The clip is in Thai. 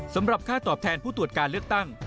สำหรับค่าตอบแทนผู้ตรวจการเลือกตั้ง